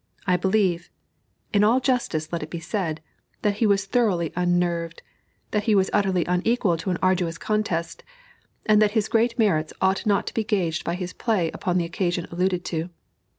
I believe in all justice let it be said that he was thoroughly unnerved, that he was utterly unequal to an arduous contest, and that his great merits ought not to be gauged by his play upon the occasion alluded to.